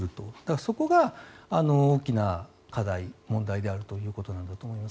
そこが大きな課題問題であるということだと思います。